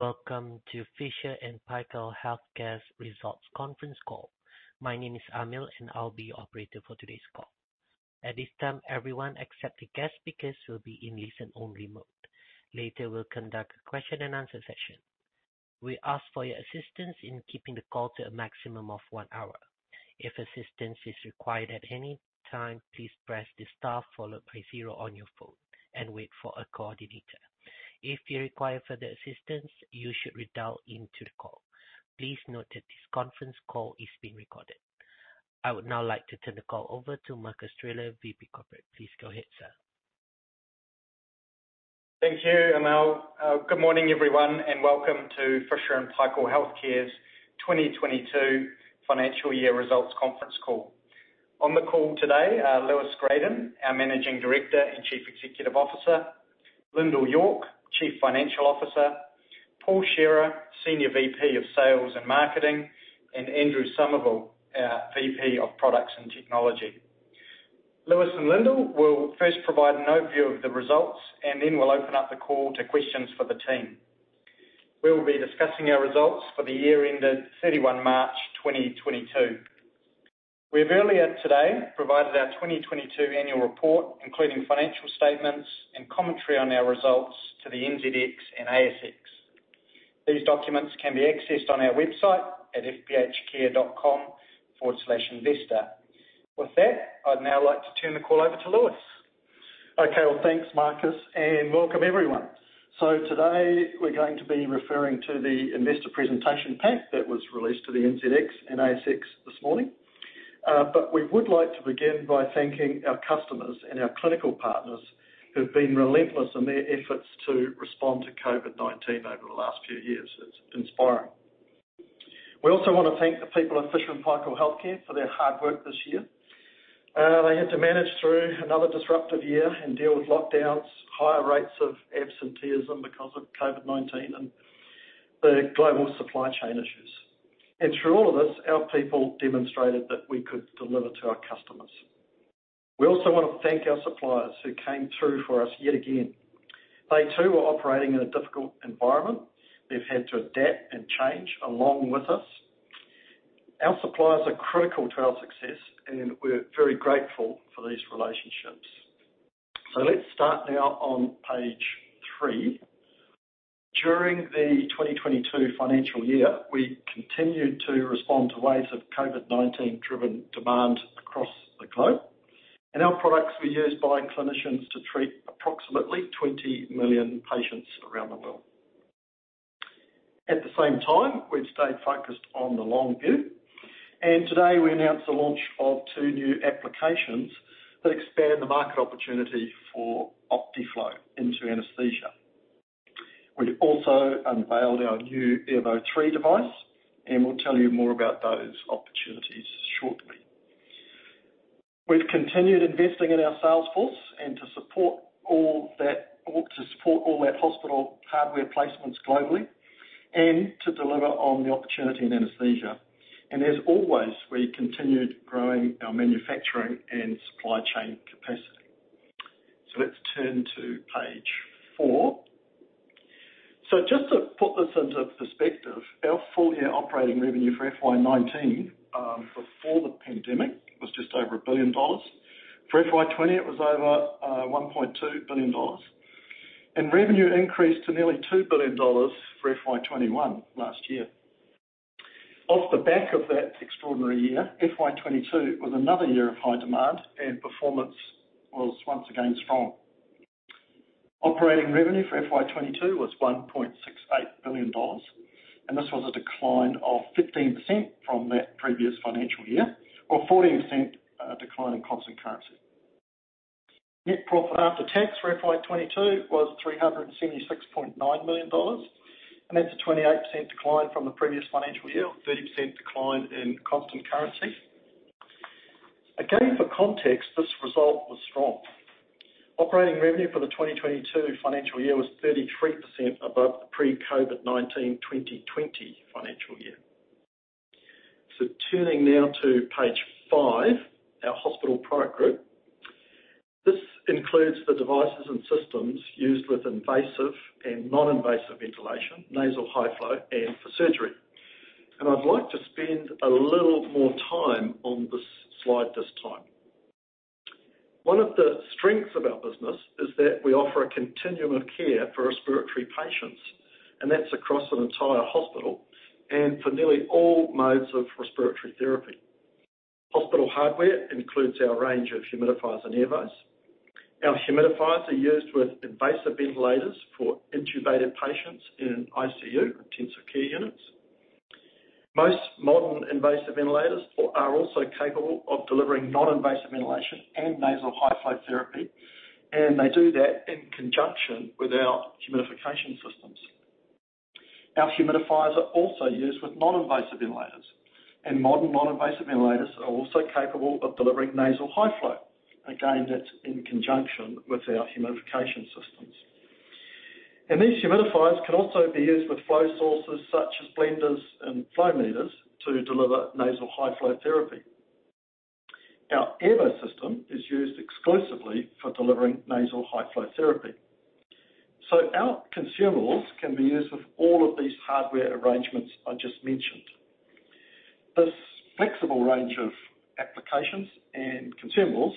Welcome to Fisher & Paykel Healthcare's results conference call. My name is Amil, and I'll be your operator for today's call. At this time, everyone except the guest speakers will be in listen-only mode. Later, we'll conduct a question-and-answer session. We ask for your assistance in keeping the call to a maximum of one hour. If assistance is required at any time, please press the star followed by zero on your phone and wait for a coordinator. If you require further assistance, you should redial into the call. Please note that this conference call is being recorded. I would now like to turn the call over to Marcus Driller, VP Corporate. Please go ahead, sir. Thank you, Amil. Good morning, everyone, and welcome to Fisher & Paykel Healthcare's 2022 financial year results conference call. On the call today are Lewis Gradon, our Managing Director and Chief Executive Officer, Lyndal York, Chief Financial Officer, Paul Shearer, Senior VP of Sales and Marketing, and Andrew Somervell, our VP of Products and Technology. Lewis and Lyndal will first provide an overview of the results and then will open up the call to questions for the team. We will be discussing our results for the year ended 31 March 2022. We have earlier today provided our 2022 annual report, including financial statements and commentary on our results to the NZX and ASX. These documents can be accessed on our website at fphcare.com/investor. With that, I'd now like to turn the call over to Lewis. Okay. Well, thanks, Marcus, and welcome, everyone. Today we're going to be referring to the investor presentation pack that was released to the NZX and ASX this morning. We would like to begin by thanking our customers and our clinical partners who've been relentless in their efforts to respond to COVID-19 over the last few years. It's inspiring. We also wanna thank the people of Fisher & Paykel Healthcare for their hard work this year. They had to manage through another disruptive year and deal with lockdowns, higher rates of absenteeism because of COVID-19 and the global supply chain issues. Through all of this, our people demonstrated that we could deliver to our customers. We also want to thank our suppliers who came through for us yet again. They too are operating in a difficult environment. They've had to adapt and change along with us. Our suppliers are critical to our success, and we're very grateful for these relationships. Let's start now on page three. During the 2022 financial year, we continued to respond to waves of COVID-19 driven demand across the globe, and our products were used by clinicians to treat approximately 20 million patients around the world. At the same time, we've stayed focused on the long view, and today we announced the launch of two new applications that expand the market opportunity for Optiflow into anesthesia. We've also unveiled our new Airvo 3 device, and we'll tell you more about those opportunities shortly. We've continued investing in our sales force and to support all that hospital hardware placements globally and to deliver on the opportunity in anesthesia. As always, we continued growing our manufacturing and supply chain capacity. Let's turn to page four. Just to put this into perspective, our full-year operating revenue for FY 2019 before the pandemic was just over 1 billion dollars. For FY 2020, it was over 1.2 billion dollars. Revenue increased to nearly 2 billion dollars for FY 2021 last year. Off the back of that extraordinary year, FY 2022 was another year of high demand, and performance was once again strong. Operating revenue for FY 2022 was 1.68 billion dollars, and this was a decline of 15% from that previous financial year or 14% decline in constant currency. Net profit after tax for FY 2022 was NZD 376.9 million, and that's a 28% decline from the previous financial year or 30% decline in constant currency. Again, for context, this result was strong. Operating revenue for the 2022 financial year was 33% above the pre-COVID-19 2020 financial year. Turning now to page 5, our hospital product group. This includes the devices and systems used with invasive and non-invasive ventilation, nasal high flow, and for surgery. I'd like to spend a little more time on this slide this time. One of the strengths of our business is that we offer a continuum of care for respiratory patients, and that's across an entire hospital and for nearly all modes of respiratory therapy. Hospital hardware includes our range of humidifiers and Airvos. Our humidifiers are used with invasive ventilators for intubated patients in ICU, intensive care units. Most modern invasive ventilators are also capable of delivering non-invasive ventilation and nasal high flow therapy, and they do that in conjunction with our humidification systems. Our humidifiers are also used with non-invasive ventilators. Modern non-invasive ventilators are also capable of delivering nasal high flow. Again, that's in conjunction with our humidification systems. These humidifiers can also be used with flow sources such as blenders and flow meters to deliver nasal high flow therapy. Our Airvo system is used exclusively for delivering nasal high flow therapy. Our consumables can be used with all of these hardware arrangements I just mentioned. This flexible range of applications and consumables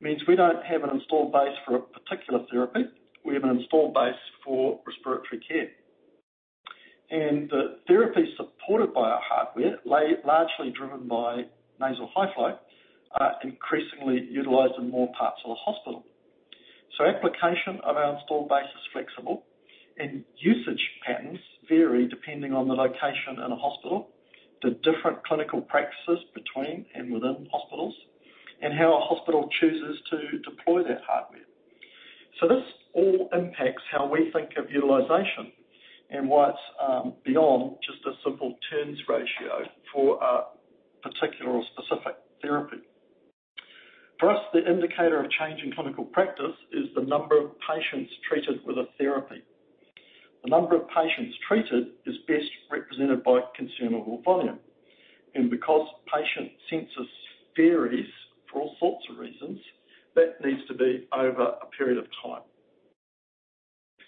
means we don't have an installed base for a particular therapy. We have an installed base for respiratory care. The therapies supported by our hardware, largely driven by nasal high flow, are increasingly utilized in more parts of the hospital. Application of our installed base is flexible and usage patterns vary depending on the location in a hospital, the different clinical practices between and within hospitals, and how a hospital chooses to deploy that hardware. This all impacts how we think of utilization and why it's beyond just a simple turns ratio for a particular or specific therapy. For us, the indicator of change in clinical practice is the number of patients treated with a therapy. The number of patients treated is best represented by consumable volume. Because patient census varies for all sorts of reasons, that needs to be over a period of time.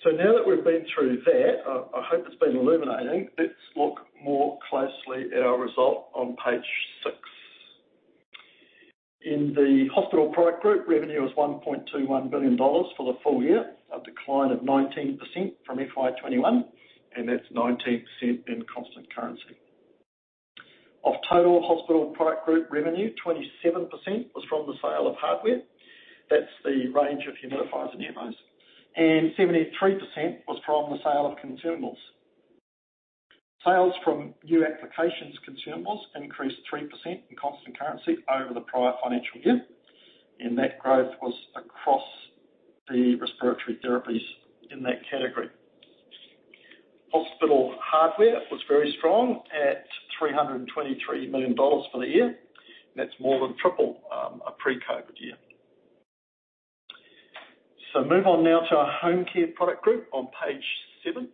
Now that we've been through that, I hope it's been illuminating, let's look more closely at our result on page six. In the hospital product group, revenue was 1.21 billion dollars for the full year, a decline of 19% from FY 2021, and that's 19% in constant currency. Of total hospital product group revenue, 27% was from the sale of hardware. That's the range of humidifiers and Airvo. Seventy-three percent was from the sale of consumables. Sales from new applications consumables increased 3% in constant currency over the prior financial year, and that growth was across the respiratory therapies in that category. Hospital hardware was very strong at 323 million dollars for the year, and that's more than triple a pre-COVID year. Move on now to our home care product group on page seven.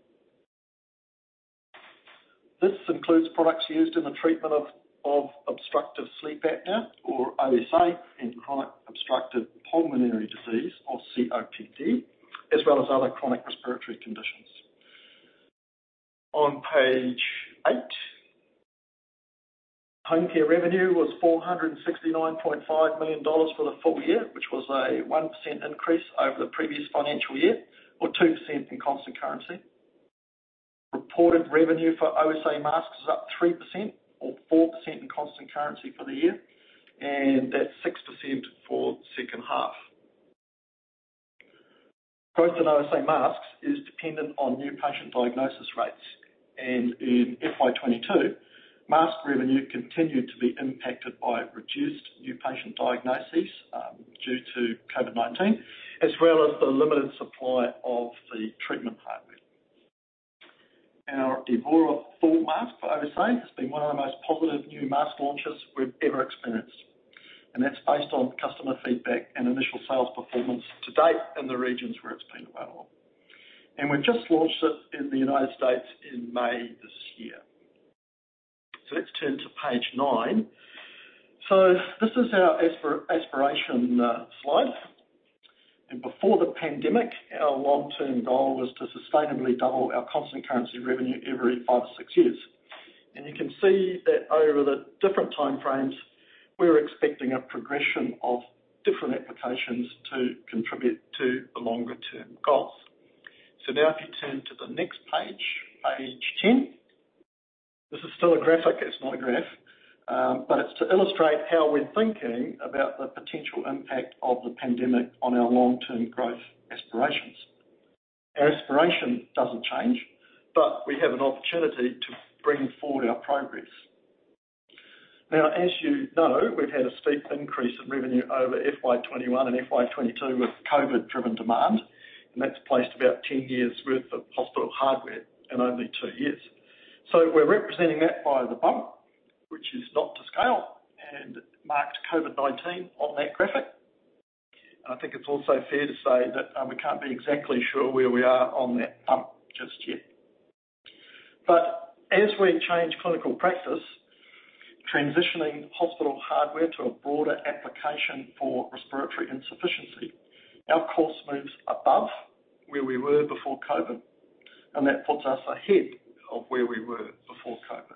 This includes products used in the treatment of obstructive sleep apnea or OSA, and chronic obstructive pulmonary disease or COPD, as well as other chronic respiratory conditions. On page 8, home care revenue was 469.5 million dollars for the full year, which was a 1% increase over the previous financial year or 2% in constant currency. Reported revenue for OSA masks is up 3% or 4% in constant currency for the year, and that's 6% for the second half. Growth in OSA masks is dependent on new patient diagnosis rates, and in FY 2022, mask revenue continued to be impacted by reduced new patient diagnoses due to COVID-19 as well as the limited supply of the treatment hardware. Our Evora Full Mask for OSA has been one of the most positive new mask launches we've ever experienced. That's based on customer feedback and initial sales performance to date in the regions where it's been available. We've just launched it in the United States in May this year. Let's turn to page 9. This is our aspiration slide. Before the pandemic, our long-term goal was to sustainably double our constant currency revenue every 5 to 6 years. You can see that over the different time frames, we're expecting a progression of different applications to contribute to the longer-term goals. Now if you turn to the next page 10. This is still a graphic. It's not a graph. But it's to illustrate how we're thinking about the potential impact of the pandemic on our long-term growth aspirations. Our aspiration doesn't change, but we have an opportunity to bring forward our progress. Now, as you know, we've had a steep increase in revenue over FY 2021 and FY 2022 with COVID-driven demand, and that's placed about 10 years' worth of hospital hardware in only 2 years. We're representing that by the bump, which is not to scale and marked COVID-19 on that graphic. I think it's also fair to say that, we can't be exactly sure where we are on that bump just yet. As we change clinical practice, transitioning hospital hardware to a broader application for respiratory insufficiency, our course moves above where we were before COVID, and that puts us ahead of where we were before COVID.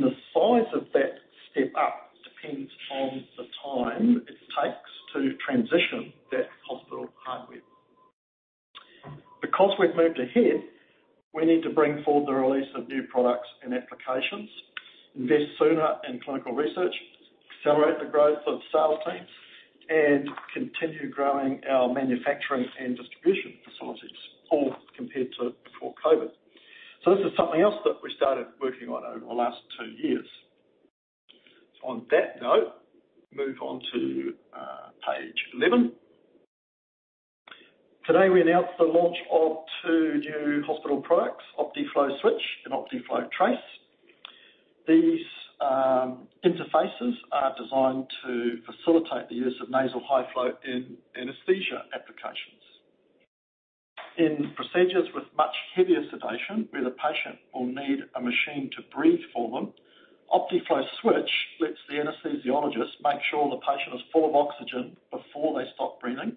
The size of that step up depends on the time it takes to transition that hospital hardware. Because we've moved ahead, we need to bring forward the release of new products and applications, invest sooner in clinical research, accelerate the growth of sales teams, and continue growing our manufacturing and distribution facilities, all compared to before COVID. This is something else that we started working on over the last two years. On that note, move on to page 11. Today, we announced the launch of 2 new hospital products, Optiflow Switch and Optiflow Trace. These interfaces are designed to facilitate the use of nasal high flow in anesthesia applications. In procedures with much heavier sedation, where the patient will need a machine to breathe for them, Optiflow Switch lets the anesthesiologist make sure the patient is full of oxygen before they stop breathing,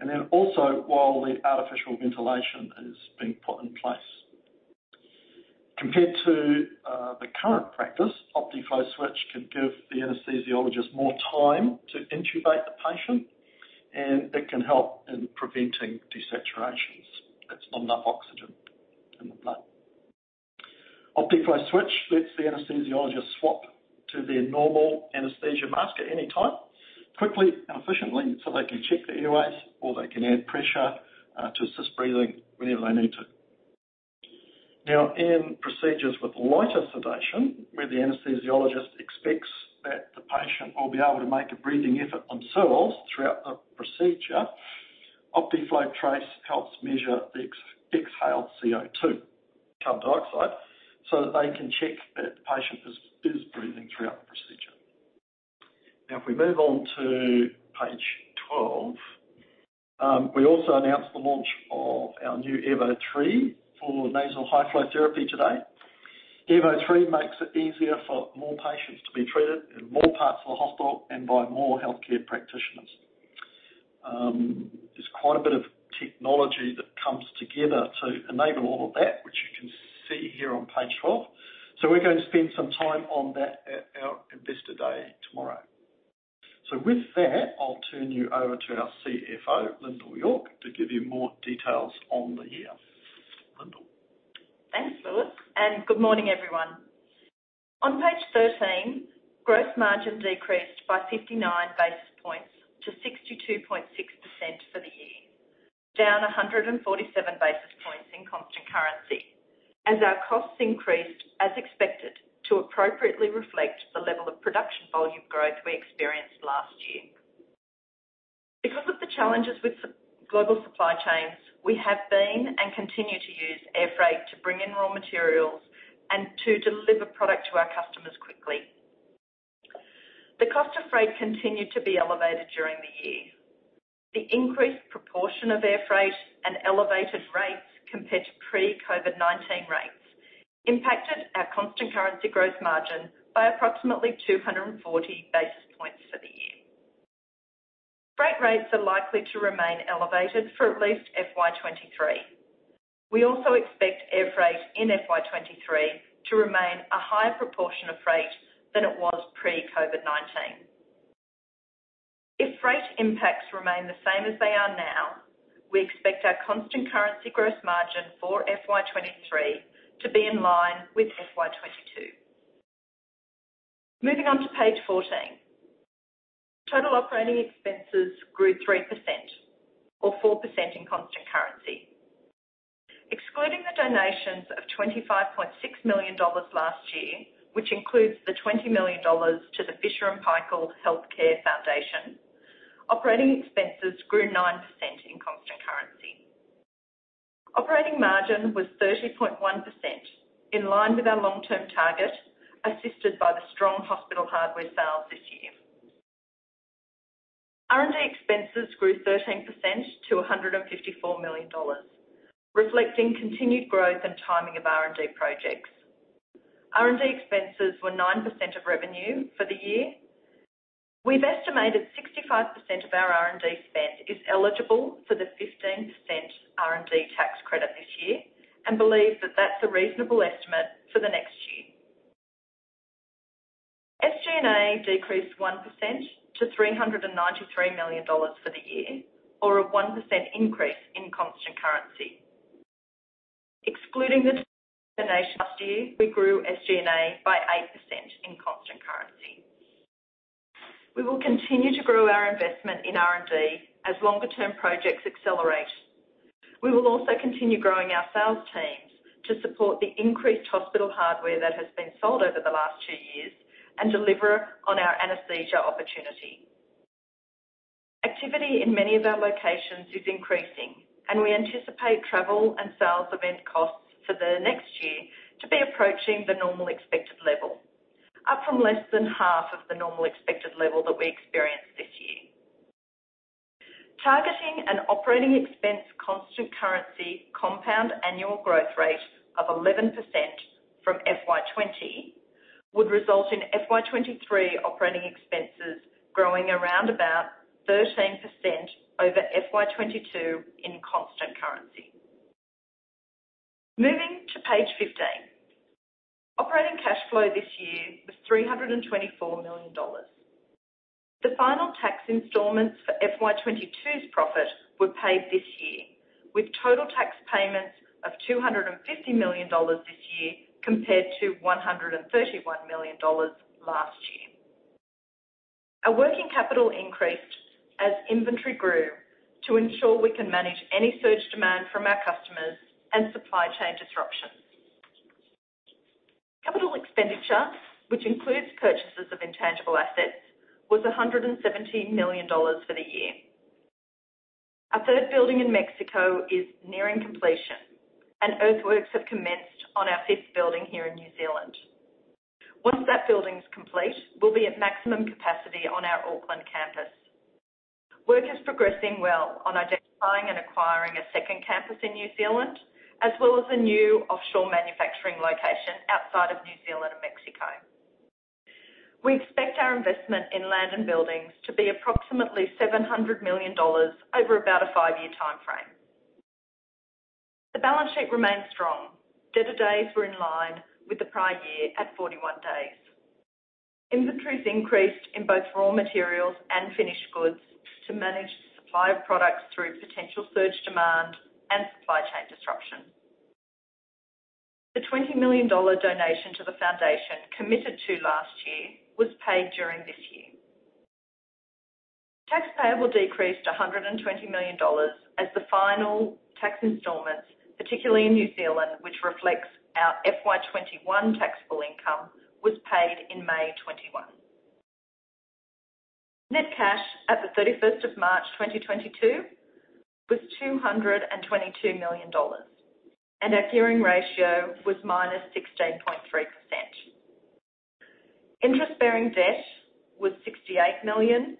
and then also while the artificial ventilation is being put in place. Compared to the current practice, Optiflow Switch can give the anesthesiologist more time to intubate the patient, and it can help in preventing desaturations. That's not enough oxygen in the blood. Optiflow Switch lets the anesthesiologist swap to their normal anesthesia mask at any time, quickly and efficiently, so they can check the airways or they can add pressure to assist breathing whenever they need to. Now, in procedures with lighter sedation, where the anesthesiologist expects that the patient will be able to make a breathing effort on their own throughout the procedure, Optiflow Trace helps measure the exhaled CO₂, carbon dioxide, so that they can check that the patient is breathing throughout the procedure. Now, if we move on to page twelve. We also announced the launch of our new Airvo 3 for nasal high flow therapy today. Airvo 3 makes it easier for more patients to be treated in more parts of the hospital and by more healthcare practitioners. There's quite a bit of technology that comes together to enable all of that, which you can see here on page 12. We're going to spend some time on that at our investor day tomorrow. With that, I'll turn you over to our CFO, Lyndall York, to give you more details on the year. Lyndall. Thanks, Lewis, and good morning, everyone. On page thirteen, gross margin decreased by 59 basis points to 62.6% for the year, down 147 basis points in constant currency as our costs increased as expected to appropriately reflect the level of production volume growth we experienced last year. Because of the challenges with global supply chains, we have been and continue to use air freight to bring in raw materials and to deliver product to our customers quickly. The cost of freight continued to be elevated during the year. The increased proportion of air freight and elevated rates compared to pre-COVID-19 rates impacted our constant currency gross margin by approximately 240 basis points for the year. Freight rates are likely to remain elevated for at least FY 2023. We also expect air freight in FY 2023 to remain a higher proportion of freight than it was pre-COVID-19. If freight impacts remain the same as they are now, we expect our constant currency gross margin for FY 2023 to be in line with FY 2022. Moving on to page 14. Total operating expenses grew 3% or 4% in constant currency. Excluding the donations of 25.6 million dollars last year, which includes the 20 million dollars to the Fisher & Paykel Healthcare Foundation, operating expenses grew 9% in constant currency. Operating margin was 30.1%, in line with our long-term target, assisted by the strong hospital hardware sales this year. R&D expenses grew 13% to 154 million dollars, reflecting continued growth and timing of R&D projects. R&D expenses were 9% of revenue for the year. We've estimated 65% of our R&D spend is eligible for the 15% R&D tax credit this year, and believe that that's a reasonable estimate for the next year. SG&A decreased 1% to 393 million dollars for the year, or a 1% increase in constant currency. Excluding the donation last year, we grew SG&A by 8% in constant currency. We will continue to grow our investment in R&D as longer term projects accelerate. We will also continue growing our sales teams to support the increased hospital hardware that has been sold over the last two years and deliver on our anesthesia opportunity. Activity in many of our locations is increasing, and we anticipate travel and sales event costs for the next year to be approaching the normal expected level, up from less than half of the normal expected level that we experienced this year. Targeting an operating expense constant currency compound annual growth rate of 11% from FY 2020 would result in FY 2023 operating expenses growing around about 13% over FY 2022 in constant currency. Moving to page 15. Operating cash flow this year was 324 million dollars. The final tax installments for FY 2022's profit were paid this year, with total tax payments of 250 million dollars this year compared to 131 million dollars last year. Our working capital increased as inventory grew to ensure we can manage any surge demand from our customers and supply chain disruptions. Capital expenditure, which includes purchases of intangible assets, was 117 million dollars for the year. Our third building in Mexico is nearing completion, and earthworks have commenced on our fifth building here in New Zealand. Once that building is complete, we'll be at maximum capacity on our Auckland campus. Work is progressing well on identifying and acquiring a second campus in New Zealand, as well as a new offshore manufacturing location outside of New Zealand and Mexico. We expect our investment in land and buildings to be approximately 700 million dollars over about a 5-year timeframe. The balance sheet remains strong. Debtor days were in line with the prior year at 41 days. Inventories increased in both raw materials and finished goods to manage the supply of products through potential surge demand and supply chain disruption. The 20 million dollar donation to the foundation committed to last year was paid during this year. Tax payable decreased to 120 million dollars as the final tax installments, particularly in New Zealand, which reflects our FY21 taxable income, was paid in May 2021. Net cash at March 31, 2022 was 222 million dollars, and our gearing ratio was -16.3%. Interest-bearing debt was 68 million,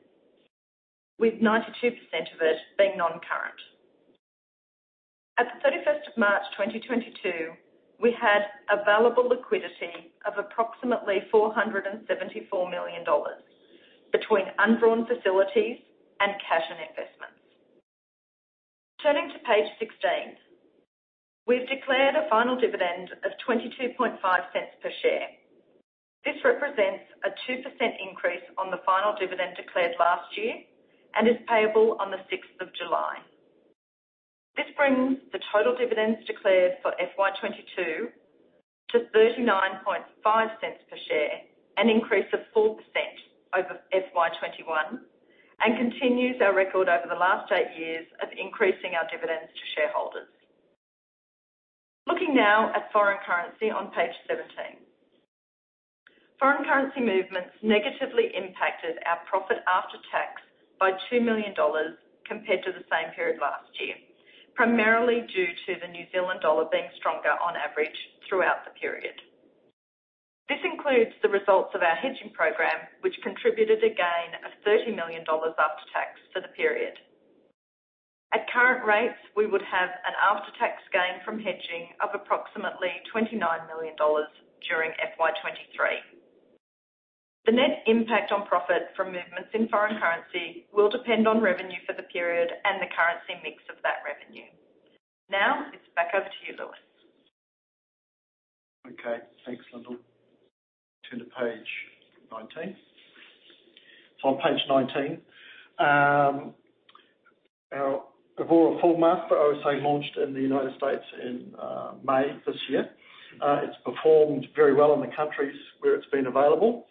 with 92% of it being non-current. At March 31, 2022, we had available liquidity of approximately 474 million dollars between undrawn facilities and cash and investments. Turning to page 16. We've declared a final dividend of 0.225 per share. This represents a 2% increase on the final dividend declared last year and is payable on July 6. This brings the total dividends declared for FY 2022 to 39.5 cents per share, an increase of 4% over FY 2021, and continues our record over the last 8 years of increasing our dividends to shareholders. Looking now at foreign currency on page 17. Foreign currency movements negatively impacted our profit after tax by 2 million dollars compared to the same period last year, primarily due to the New Zealand dollar being stronger on average throughout the period. This includes the results of our hedging program, which contributed a gain of 30 million dollars after tax for the period. At current rates, we would have an after-tax gain from hedging of approximately 29 million dollars during FY 2023. The net impact on profit from movements in foreign currency will depend on revenue for the period and the currency mix of that revenue. Now, it's back over to you, Lewis. Okay. Thanks, Lyndall. Turn to page 19. On page 19, our Evora Full mask for OSA launched in the United States in May this year. It's performed very well in the countries where it's been available.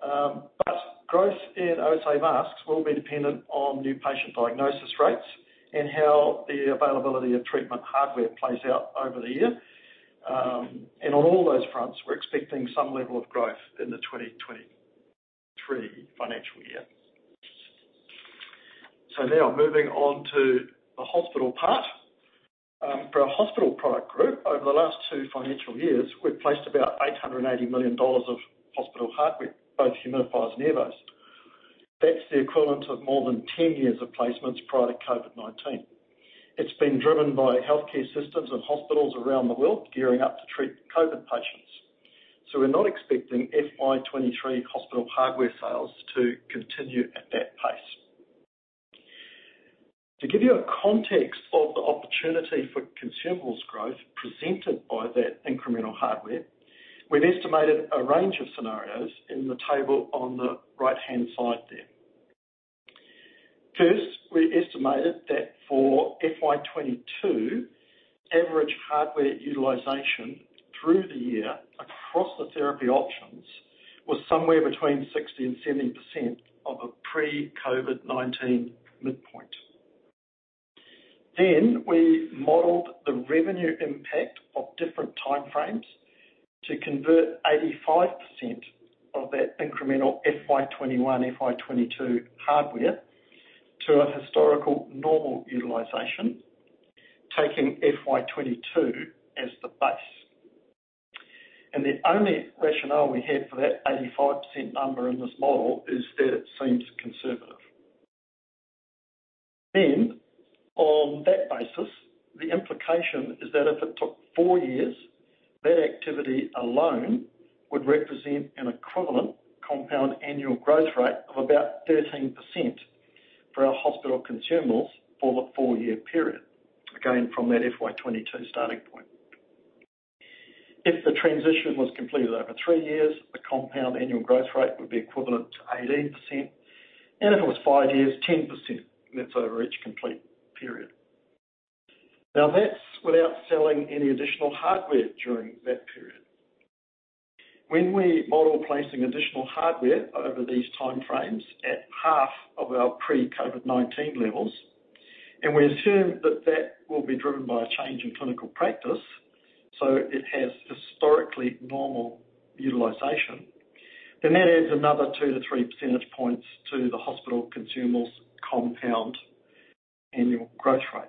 But growth in OSA masks will be dependent on new patient diagnosis rates and how the availability of treatment hardware plays out over the year. And on all those fronts, we're expecting some level of growth in the 2023 financial year. Now moving on to the hospital part. For our hospital product group, over the last two financial years, we've placed about $880 million of hospital hardware, both humidifiers and Airvo's. That's the equivalent of more than 10 years of placements prior to COVID-19. It's been driven by healthcare systems and hospitals around the world gearing up to treat COVID patients. We're not expecting FY 2023 hospital hardware sales to continue at that pace. To give you a context of the opportunity for consumables growth presented by that incremental hardware, we've estimated a range of scenarios in the table on the right-hand side there. First, we estimated that for FY 2022, average hardware utilization through the year across the therapy options was somewhere between 60%-70% of a pre-COVID-19 midpoint. Then we modeled the revenue impact of different time frames to convert 85% of that incremental FY 2021, FY 2022 hardware to a historical normal utilization, taking FY 2022 as the base. The only rationale we have for that 85% number in this model is that it seems conservative. On that basis, the implication is that if it took 4 years, that activity alone would represent an equivalent compound annual growth rate of about 13% for our hospital consumables for the 4-year period, again, from that FY 2022 starting point. If the transition was completed over 3 years, the compound annual growth rate would be equivalent to 18%, and if it was 5 years, 10%, and that's over each complete period. Now, that's without selling any additional hardware during that period. When we model placing additional hardware over these time frames at half of our pre-COVID-19 levels, and we assume that that will be driven by a change in clinical practice, so it has historically normal utilization, then that adds another 2-3 percentage points to the hospital consumables compound annual growth rate.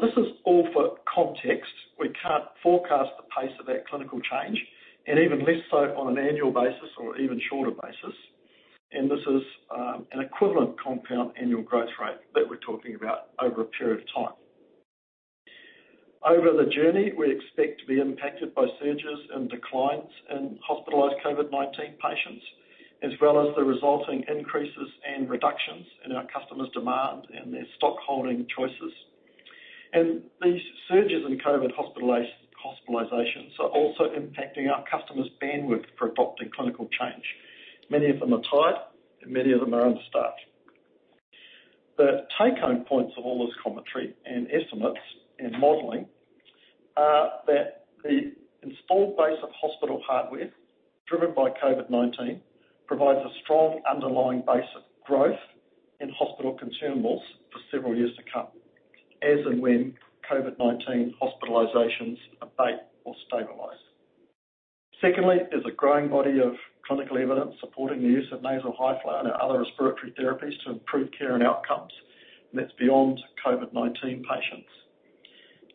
This is all for context. We can't forecast the pace of that clinical change and even less so on an annual basis or even shorter basis. This is an equivalent compound annual growth rate that we're talking about over a period of time. Over the journey, we expect to be impacted by surges and declines in hospitalized COVID-19 patients, as well as the resulting increases and reductions in our customers' demand and their stockholding choices. These surges in COVID hospitalizations are also impacting our customers' bandwidth for adopting clinical change. Many of them are tight and many of them are understaffed. The take home points of all this commentary and estimates and modeling are that the installed base of hospital hardware driven by COVID-19 provides a strong underlying base of growth in hospital consumables for several years to come, as and when COVID-19 hospitalizations abate or stabilize. Secondly, there's a growing body of clinical evidence supporting the use of nasal high flow and other respiratory therapies to improve care and outcomes, and that's beyond COVID-19 patients.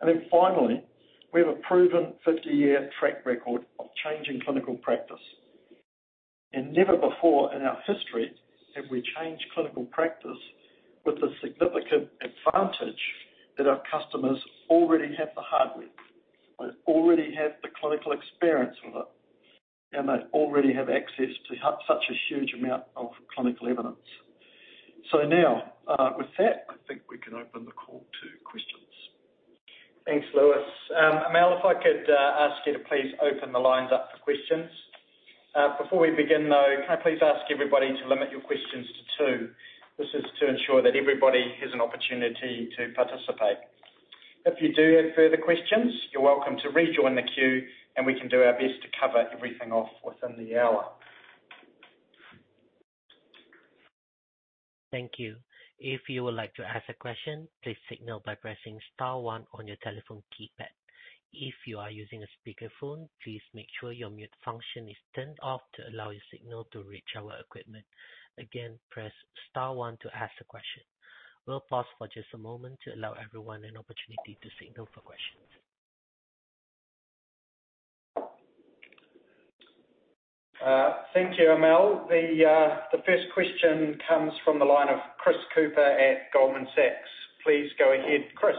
Then finally, we have a proven 50-year track record of changing clinical practice. Never before in our history have we changed clinical practice with the significant advantage that our customers already have the hardware, they already have the clinical experience with it, and they already have access to such a huge amount of clinical evidence. Now, with that, I think we can open the call to questions. Thanks, Lewis. Amel, if I could, ask you to please open the lines up for questions. Before we begin, though, can I please ask everybody to limit your questions to two? This is to ensure that everybody has an opportunity to participate. If you do have further questions, you're welcome to rejoin the queue, and we can do our best to cover everything off within the hour. Thank you. If you would like to ask a question, please signal by pressing star one on your telephone keypad. If you are using a speakerphone, please make sure your mute function is turned off to allow your signal to reach our equipment. Again, press star one to ask a question. We'll pause for just a moment to allow everyone an opportunity to signal for questions. Thank you, Amel. The first question comes from the line of Chris Cooper at Goldman Sachs. Please go ahead, Chris.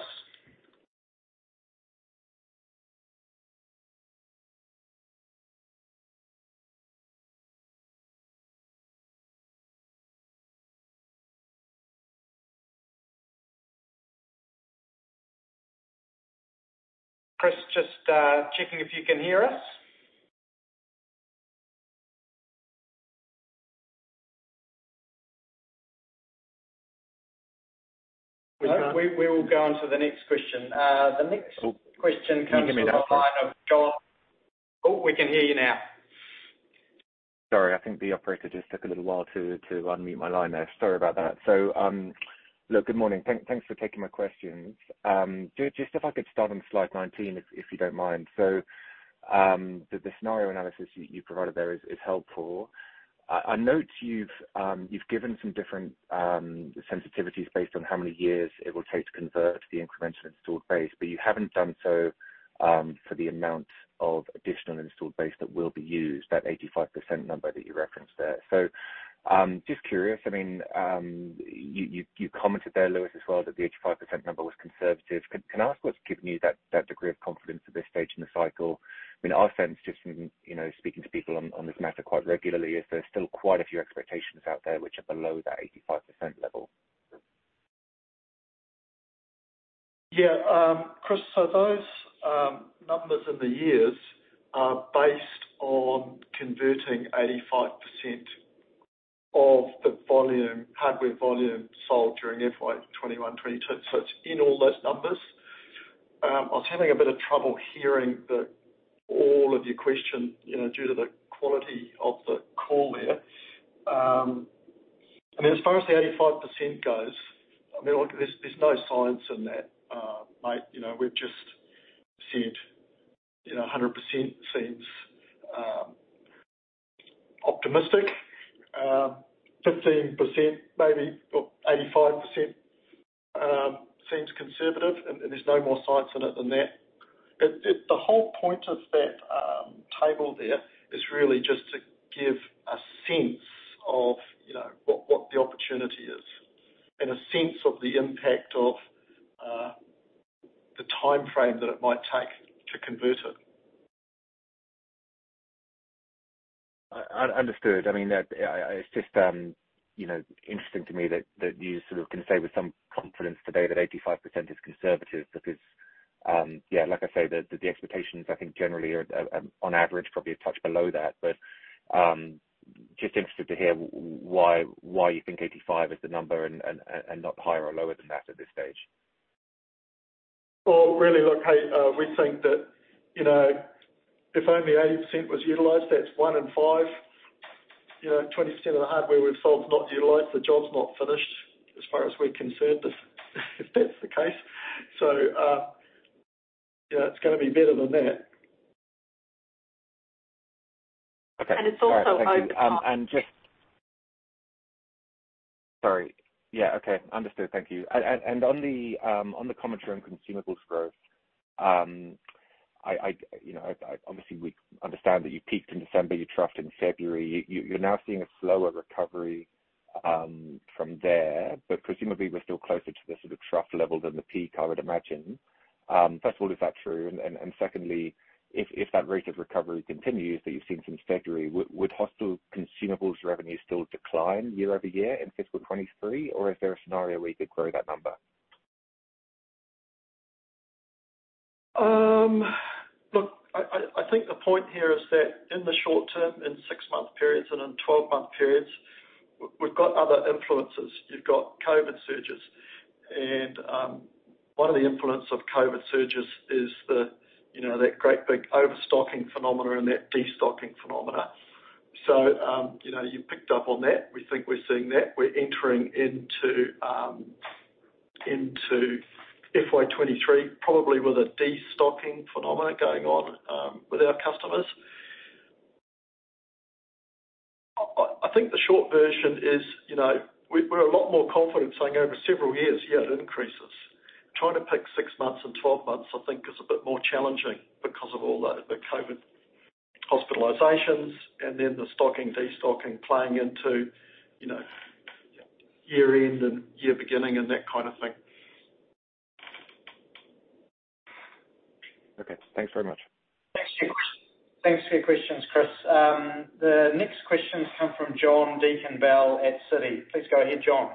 Chris, just checking if you can hear us. We will go on to the next question. The next question comes from the line of John. Can you hear me now, Chris? Oh, we can hear you now. Sorry, I think the operator just took a little while to unmute my line there. Sorry about that. Look, good morning. Thanks for taking my questions. Just if I could start on slide 19, if you don't mind. The scenario analysis you provided there is helpful. I note you've given some different sensitivities based on how many years it will take to convert the incremental installed base, but you haven't done so for the amount of additional installed base that will be used, that 85% number that you referenced there. Just curious, I mean, you commented there, Lewis, as well that the 85% number was conservative. Can I ask what's given you that degree of confidence at this stage in the cycle? I mean, our sense just from, you know, speaking to people on this matter quite regularly is there's still quite a few expectations out there which are below that 85% level. Yeah. Chris, those numbers in the years are based on converting 85% of the volume, hardware volume sold during FY 2021, 2022. It's in all those numbers. I was having a bit of trouble hearing all of your question, you know, due to the quality of the call there. I mean, as far as the 85% goes, I mean, look, there's no science in that, mate. You know, we've just said, you know, 100% seems optimistic. 15% maybe or 85% seems conservative, and there's no more science in it than that. The whole point of that table there is really just to give a sense of, you know, what the opportunity is and a sense of the impact of the timeframe that it might take to convert it. I understood. I mean, it's just, you know, interesting to me that you sort of can say with some confidence today that 85% is conservative because, yeah, like I say, the expectations I think generally are, on average, probably a touch below that. Just interested to hear why you think 85 is the number and not higher or lower than that at this stage. Well, really, look, hey, we think that, you know, if only 80% was utilized, that's one in five. You know, 20% of the hardware we've sold is not utilized. The job's not finished as far as we're concerned if that's the case. You know, it's gonna be better than that. It's also over the top. All right. Thank you. Sorry. Yeah, okay. Understood. Thank you. On the commentary on consumables growth, you know, obviously, we understand that you peaked in December, you troughed in February. You're now seeing a slower recovery from there, but presumably we're still closer to the sort of trough level than the peak, I would imagine. First of all, is that true? Secondly, if that rate of recovery continues that you've seen since February, would hospital consumables revenue still decline year-over-year in fiscal 2023 or is there a scenario where you could grow that number? Look, I think the point here is that in the short term, in 6-month periods and in 12-month periods, we've got other influences. You've got COVID surges and one of the influence of COVID surges is the, you know, that great big overstocking phenomena and that destocking phenomena. You know, you picked up on that. We think we're seeing that. We're entering into FY 2023, probably with a destocking phenomena going on with our customers. I think the short version is, you know, we're a lot more confident saying over several years, yeah, it increases. Trying to pick 6 months and 12 months, I think is a bit more challenging because of all the COVID hospitalizations and then the stocking, destocking playing into, you know, year end and year beginning and that kind of thing. Okay. Thanks very much. Thanks for your question. Thanks for your questions, Chris. The next questions come from John Deakin-Bell at Citi. Please go ahead, John.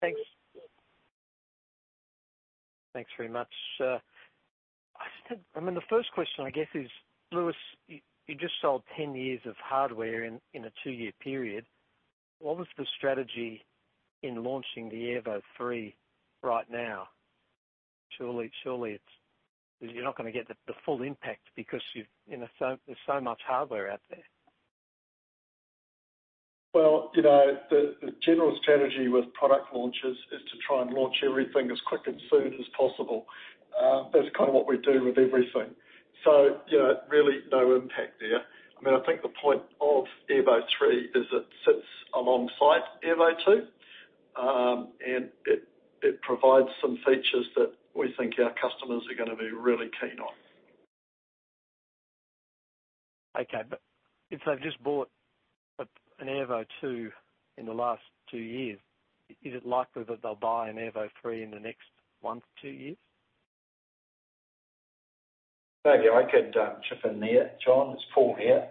Thanks. Thanks very much. I mean, the first question, I guess is, Lewis, you just sold 10 years of hardware in a 2-year period. What was the strategy in launching the Airvo 3 right now? Surely it's. You're not gonna get the full impact because you know there's so much hardware out there. Well, you know, the general strategy with product launches is to try and launch everything as quick and soon as possible. That's kind of what we do with everything. You know, really no impact there. I mean, I think the point of Airvo 3 is it sits alongside Airvo 2, and it provides some features that we think our customers are gonna be really keen on. Okay. If they've just bought an Airvo 2 in the last two years, is it likely that they'll buy an Airvo 3 in the next one to two years? Maybe I could chip in there, John. It's Paul here.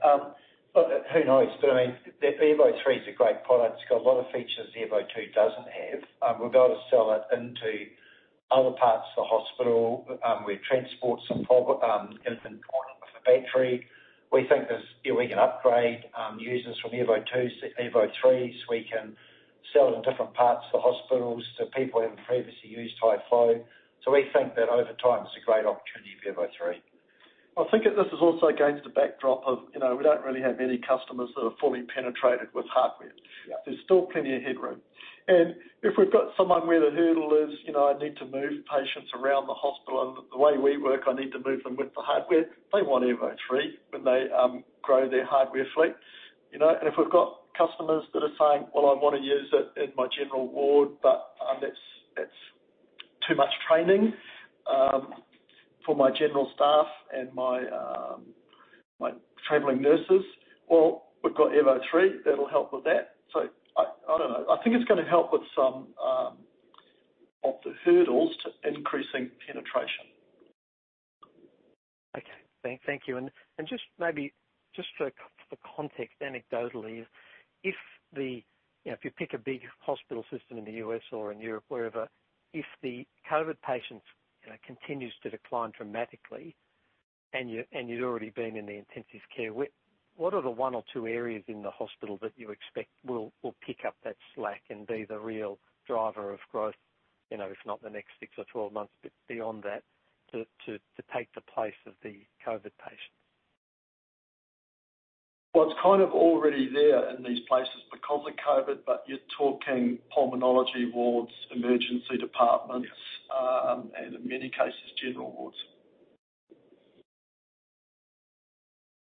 Look, who knows? I mean, the Airvo 3 is a great product. It's got a lot of features the Airvo 2 doesn't have. We'll be able to sell it into other parts of the hospital, where transport's involved is important with the battery. We think you know, we can upgrade users from Airvo 2s to Airvo 3s. We can sell it in different parts of the hospitals to people who haven't previously used high flow. We think that over time it's a great opportunity for Airvo 3. I think this is also against the backdrop of, you know, we don't really have many customers that are fully penetrated with hardware. Yeah. There's still plenty of headroom. If we've got someone where the hurdle is, you know, I need to move patients around the hospital, and the way we work, I need to move them with the hardware, they want Airvo 3 when they grow their hardware fleet, you know. If we've got customers that are saying, "Well, I wanna use it in my general ward, but it's too much training for my general staff and my traveling nurses," well, we've got Airvo 3 that'll help with that. I don't know. I think it's gonna help with some of the hurdles to increasing penetration. Okay. Thank you. Just maybe, just for context anecdotally, you know, if you pick a big hospital system in the U.S. or in Europe, wherever, if the COVID patients, you know, continues to decline dramatically and you'd already been in the intensive care, what are the 1 or 2 areas in the hospital that you expect will pick up that slack and be the real driver of growth, you know, if not the next 6 or 12 months, but beyond that, to take the place of the COVID patients? Well, it's kind of already there in these places because of COVID, but you're talking pulmonology wards, emergency departments. Yes. In many cases, general wards.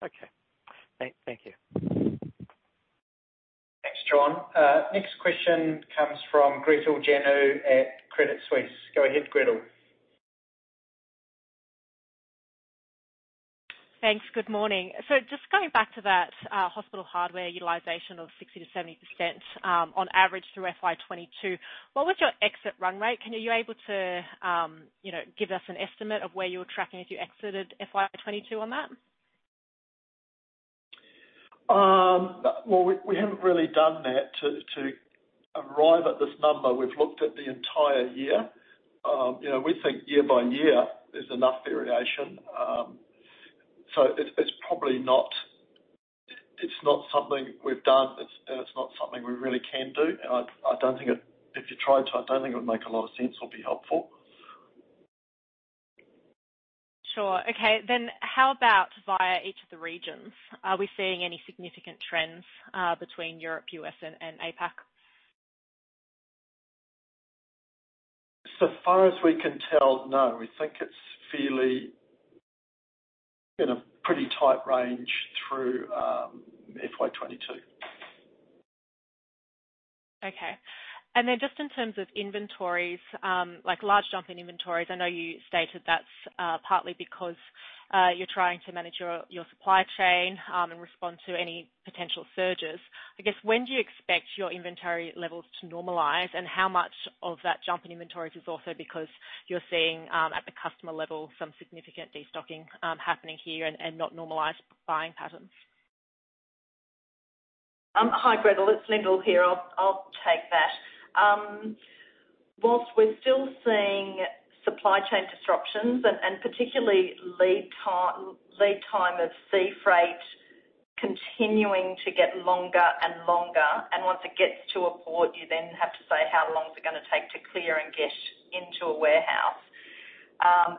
Okay. Thank you. Thanks, John. Next question comes from Gretel Janu at Credit Suisse. Go ahead, Gretel. Thanks. Good morning. Just going back to that, hospital hardware utilization of 60%-70% on average through FY 2022, what was your exit run rate? Are you able to, you know, give us an estimate of where you were tracking as you exited FY 2022 on that? Well, we haven't really done that. To arrive at this number, we've looked at the entire year. You know, we think year by year there's enough variation. It's probably not. It's not something we've done. It's, and it's not something we really can do. I don't think it. If you tried to, I don't think it would make a lot of sense or be helpful. Sure. Okay. How about via each of the regions? Are we seeing any significant trends between Europe, U.S. and APAC? As far as we can tell, no. We think it's fairly in a pretty tight range through FY 2022. Okay. Just in terms of inventories, like large jump in inventories, I know you stated that's partly because you're trying to manage your supply chain and respond to any potential surges. I guess when do you expect your inventory levels to normalize? How much of that jump in inventories is also because you're seeing at the customer level some significant destocking happening here and not normalized buying patterns? Hi, Gretel. It's Lyndall here. I'll take that. While we're still seeing supply chain disruptions and particularly lead time of sea freight continuing to get longer and longer, and once it gets to a port, you then have to say, how long is it gonna take to clear and get into a warehouse?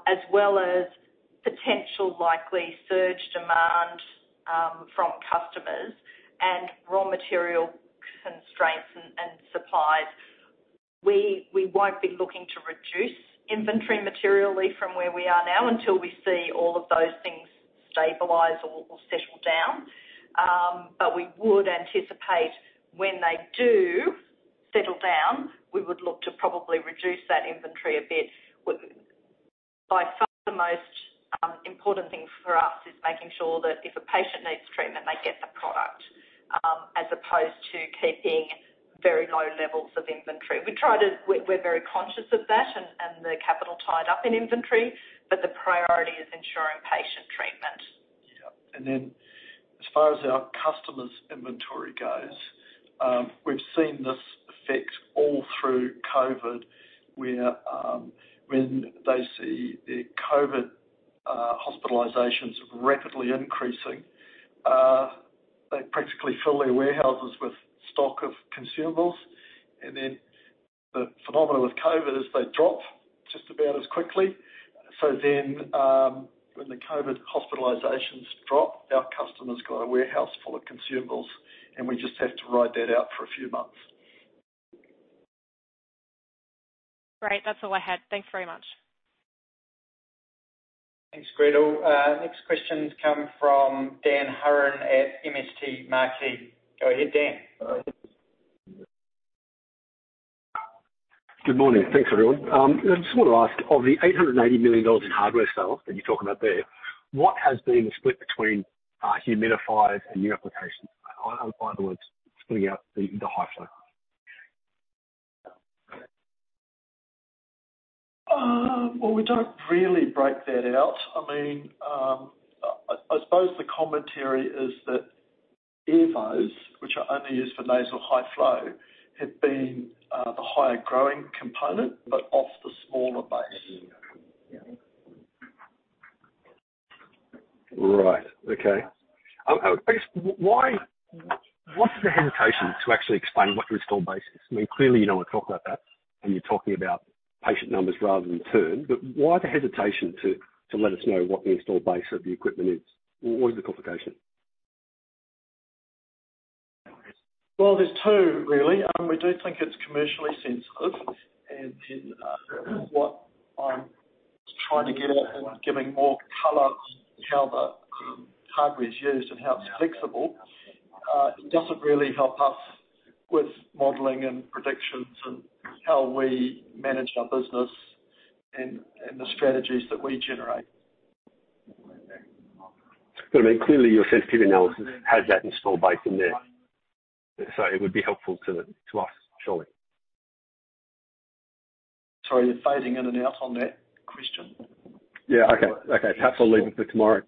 As well as potential likely surge demand from customers and raw material constraints and supplies. We won't be looking to reduce inventory materially from where we are now until we see all of those things stabilize or settle down. We would anticipate when they do settle down, we would look to probably reduce that inventory a bit. By far the most important thing for us is making sure that if a patient needs treatment, they get the product, as opposed to keeping very low levels of inventory. We're very conscious of that and the capital tied up in inventory, but the priority is ensuring patient treatment. Yeah. As far as our customers' inventory goes, we've seen this effect all through COVID, where when they see their COVID hospitalizations rapidly increasing, they practically fill their warehouses with stock of consumables. The phenomena with COVID is they drop just about as quickly. When the COVID hospitalizations drop, our customer's got a warehouse full of consumables, and we just have to ride that out for a few months. Great. That's all I had. Thanks very much. Thanks, Gretel. Next questions come from Dan Hurren at MST Marquee. Go ahead, Dan. Good morning. Thanks, everyone. I just wanna ask, of the $880 million in hardware sales that you're talking about there, what has been the split between humidifiers and new applications? In other words, splitting out the high flow. Well, we don't really break that out. I mean, I suppose the commentary is that Airvo, which are only used for nasal high flow, have been the higher growing component, but off the smaller base. Right. Okay. I guess why, what is the hesitation to actually explain what your install base is? I mean, clearly, you don't want to talk about that, and you're talking about patient numbers rather than turn. Why the hesitation to let us know what the install base of the equipment is? What is the complication? Well, there's two really. We do think it's commercially sensitive and then, what I'm trying to get at in giving more color how the hardware is used and how it's flexible, it doesn't really help us with modeling and predictions and how we manage our business and the strategies that we generate. I mean, clearly your sensitivity analysis has that install base in there. It would be helpful to us, surely. Sorry, you're fading in and out on that question. Perhaps I'll leave that for tomorrow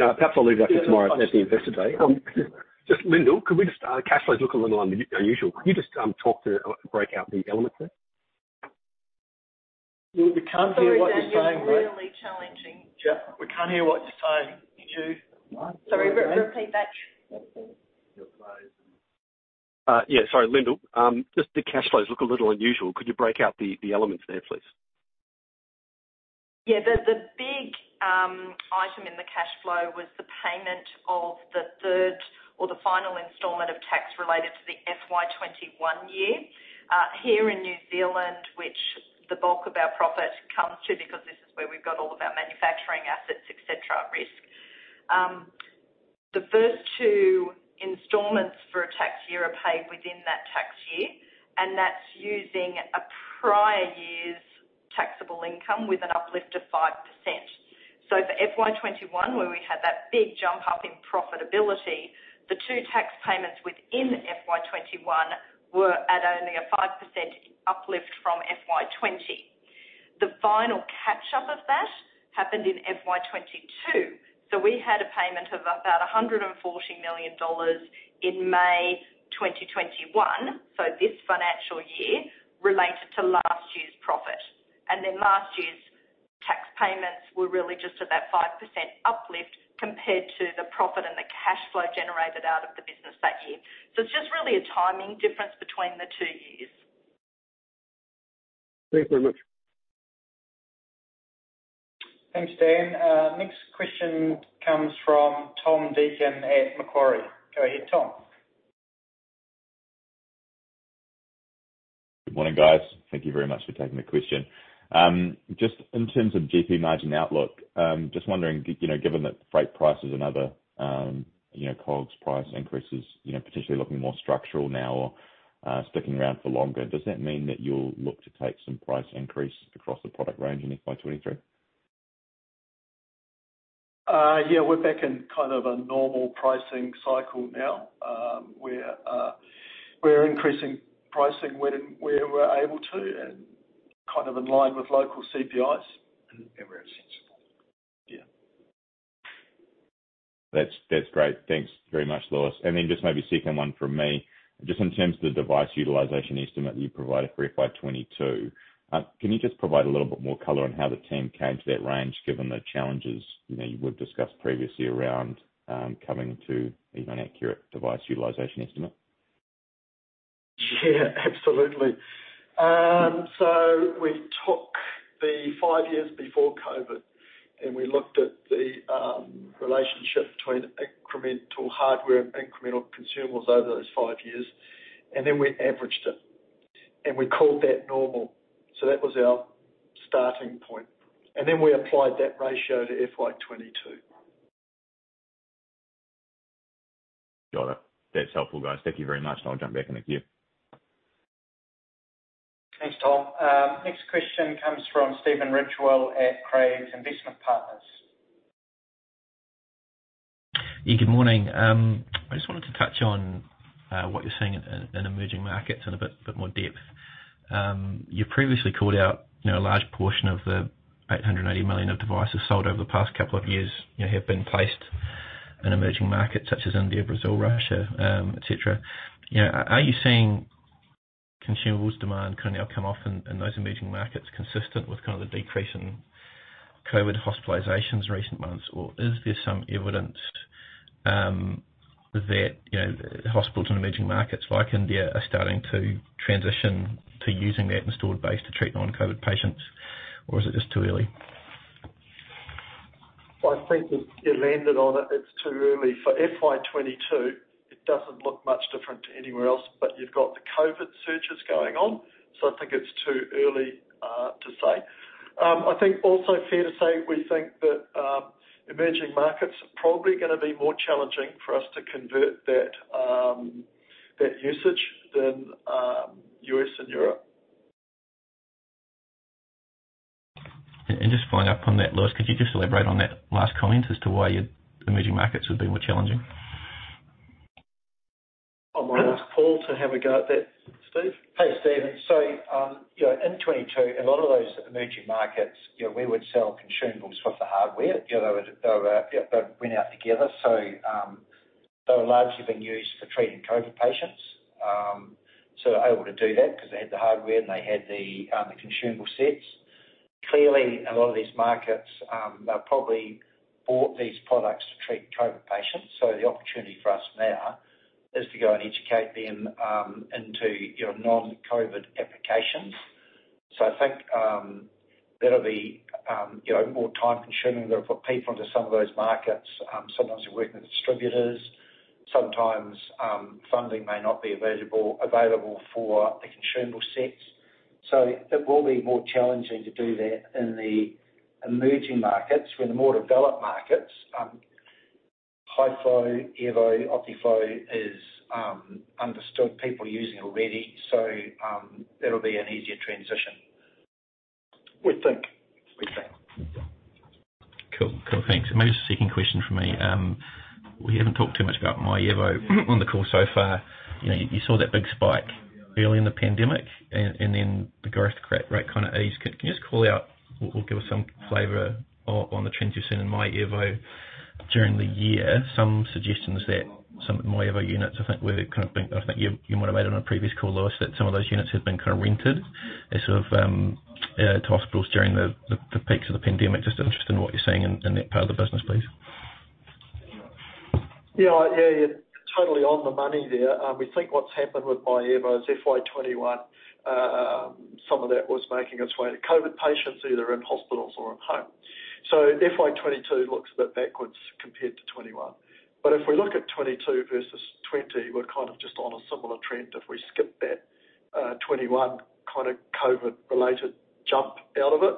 at the Investor Day. Just Lyndal, cash flows look a little unusual. Can you just talk through, break out the elements there? We can't hear what you're saying. Sorry, Dan. You're really challenging. Yeah. We can't hear what you're saying. Could you- Sorry. Repeat that. Yeah. Sorry, Lyndall. Just the cash flows look a little unusual. Could you break out the elements there, please? Yeah. The big item in the cash flow was the payment of the third or the final installment of tax related to the FY 2021 year, here in New Zealand, which the bulk of our profit comes to because this is where we've got all of our manufacturing assets, et cetera, at risk. The first two installments for a tax year are paid within that tax year, and that's using a prior year's taxable income with an uplift of 5%. For FY 2021, where we had that big jump up in profitability, the two tax payments within FY 2021 were at only a 5% uplift from FY 2020. The final catch up of that happened in FY 2022. We had a payment of about $140 million in May 2021, this financial year related to last year's profit. Last year's tax payments were really just at that 5% uplift compared to the profit and the cash flow generated out of the business that year. It's just really a timing difference between the two years. Thanks very much. Thanks, Dan. Next question comes from Tom Deacon at Macquarie. Go ahead, Tom. Good morning, guys. Thank you very much for taking the question. Just in terms of GP margin outlook, just wondering, you know, given that freight prices and other, you know, COGS price increases, you know, potentially looking more structural now or sticking around for longer, does that mean that you'll look to take some price increases across the product range in FY 2023? Yeah, we're back in kind of a normal pricing cycle now. We're increasing pricing where we're able to and kind of in line with local CPIs and where it's sensible. Yeah. That's great. Thanks very much, Lewis. Just maybe second one from me, just in terms of the device utilization estimate you provided for FY 2022, can you just provide a little bit more color on how the team came to that range, given the challenges, you know, you would discuss previously around, coming to even accurate device utilization estimate? Yeah, absolutely. We took the five years before COVID, and we looked at the relationship between incremental hardware and incremental consumables over those five years, and then we averaged it, and we called that normal. That was our starting point. We applied that ratio to FY 2022. Got it. That's helpful, guys. Thank you very much, and I'll jump back in the queue. Thanks, Tom. Next question comes from Stephen Ridgewell at Craigs Investment Partners. Yeah, good morning. I just wanted to touch on what you're seeing in emerging markets in a bit more depth. You previously called out, you know, a large portion of the 880 million devices sold over the past couple of years, you know, have been placed in emerging markets such as India, Brazil, Russia, et cetera. You know, are you seeing consumables demand kind of now come off in those emerging markets consistent with kind of the decrease in COVID hospitalizations recent months? Or is there some evidence that, you know, hospitals in emerging markets like India are starting to transition to using that installed base to treat non-COVID patients? Or is it just too early? I think you landed on it. It's too early. For FY 2022, it doesn't look much different to anywhere else, but you've got the COVID surges going on, so I think it's too early to say. I think also fair to say, we think that emerging markets are probably gonna be more challenging for us to convert that usage than U.S. and Europe. Just to follow up on that, Lewis, could you just elaborate on that last comment as to why emerging markets would be more challenging? I'll ask Paul to have a go at that, Stephen. Hey, Stephen. You know, in 2022, a lot of those emerging markets, you know, we would sell consumables with the hardware. You know, they would go out together. They were largely being used for treating COVID patients. They were able to do that because they had the hardware and they had the consumable sets. Clearly, a lot of these markets probably bought these products to treat COVID patients. The opportunity for us now is to go and educate them into, you know, non-COVID applications. I think that'll be, you know, more time consuming. They've put people into some of those markets. Sometimes you're working with distributors. Sometimes funding may not be available for the consumable sets. It will be more challenging to do that in the emerging markets. In the more developed markets, high flow, Airvo, Optiflow is understood. People are using it already. It'll be an easier transition. We think. We think. Cool. Thanks. Maybe just a second question from me. We haven't talked too much about myAirvo on the call so far. You know, you saw that big spike early in the pandemic and then the growth rate kinda eased. Can you just call out or give us some flavor on the trends you've seen in myAirvo during the year? Some suggestions that some myAirvo units, I think, were kind of being rented. I think you might have made it on a previous call, Lewis, that some of those units have been kind of rented as sort of to hospitals during the peaks of the pandemic. Just interested in what you're seeing in that part of the business, please. Yeah. Yeah, you're totally on the money there. We think what's happened with myAirvo is FY 2021, some of that was making its way to COVID patients, either in hospitals or at home. FY 2022 looks a bit backwards compared to 2021. If we look at 2022 versus 2020, we're kind of just on a similar trend if we skip that, 2021 kind of COVID-related jump out of it.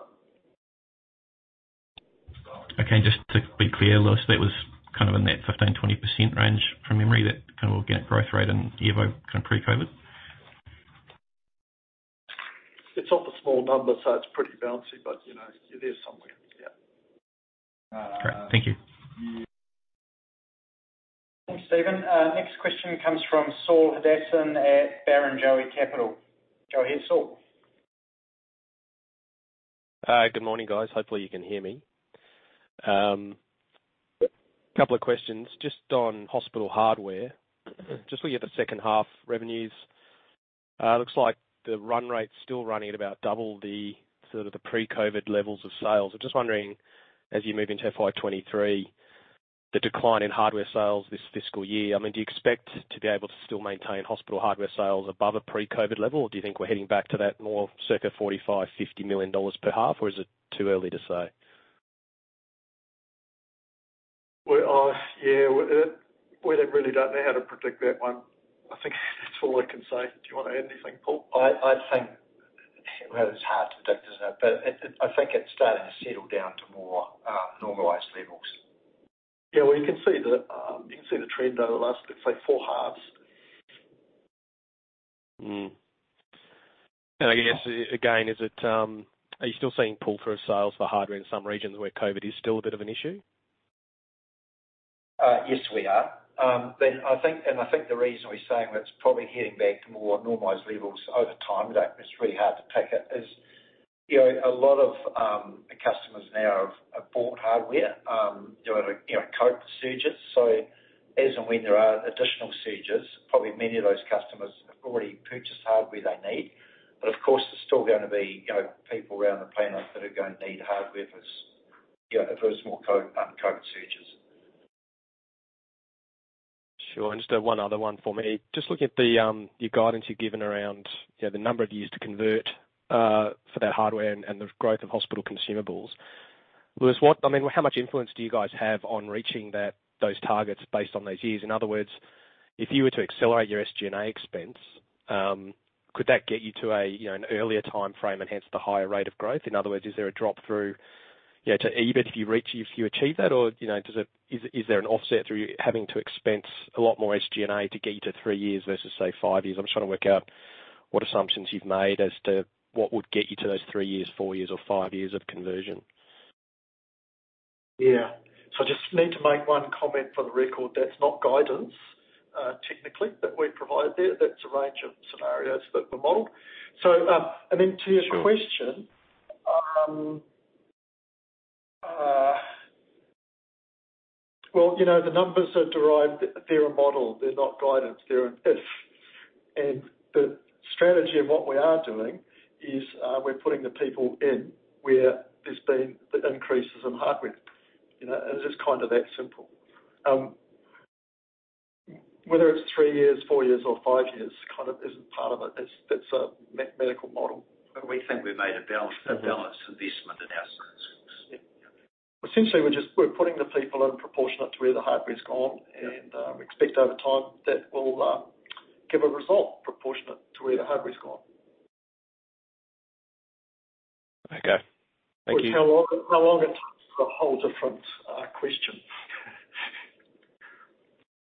Okay. Just to be clear, Lewis, that was kind of in that 15%-20% range from memory, that kind of organic growth rate in Airvo kind of pre-COVID? It's off a small number, so it's pretty bouncy, but, you know, there's something. Yeah. Great. Thank you. Yeah. Thanks, Stephen. Next question comes from Saul Hadassin at Barrenjoey. Go ahead, Saul. Good morning, guys. Hopefully you can hear me. Couple of questions just on hospital hardware. Just looking at the second half revenues, looks like the run rate's still running at about double the sort of the pre-COVID levels of sales. I'm just wondering, as you move into FY 2023. The decline in hardware sales this fiscal year. I mean, do you expect to be able to still maintain hospital hardware sales above a pre-COVID level? Or do you think we're heading back to that more circa 45-50 million dollars per half? Or is it too early to say? Well, yeah, we really don't know how to predict that one. I think that's all I can say. Do you wanna add anything, Paul? I think that is hard to predict, isn't it? I think it's starting to settle down to more normalized levels. Yeah, well, you can see the trend over the last, let's say, 4 halves. I guess, again, are you still seeing pull-through of sales for hardware in some regions where COVID is still a bit of an issue? Yes, we are. I think the reason we're saying that's probably heading back to more normalized levels over time, that it's really hard to predict. It is, you know, a lot of customers now have bought hardware during, you know, COVID surges. As and when there are additional surges, probably many of those customers have already purchased hardware they need. Of course, there's still gonna be, you know, people around the planet that are gonna need hardware for you know, if there's more COVID surges. Sure. Just one other one for me. Just looking at your guidance you've given around, you know, the number of years to convert for that hardware and the growth of hospital consumables. Lewis, I mean, how much influence do you guys have on reaching those targets based on those years? In other words, if you were to accelerate your SG&A expense, could that get you to an earlier timeframe and hence the higher rate of growth? In other words, is there a drop through to EBIT if you achieve that? Or, is there an offset through having to expense a lot more SG&A to get you to 3 years versus, say, 5 years? I'm trying to work out what assumptions you've made as to what would get you to those three years, four years or five years of conversion? Yeah. I just need to make one comment for the record. That's not guidance, technically, that we provide there. That's a range of scenarios that we modeled. To your question. Sure Well, you know, the numbers are derived. They're a model, they're not guidance. They're an if. The strategy of what we are doing is, we're putting the people in where there's been the increases in hardware. You know, it's just kind of that simple. Whether it's 3 years, 4 years or 5 years kind of isn't part of it. It's a medical model. We think we've made a balanced investment in our services. Yeah. Essentially we're just putting the people in proportionate to where the hardware's gone. Yeah. We expect over time that will give a result proportionate to where the hardware's gone. Okay. Thank you. How long it takes is a whole different question.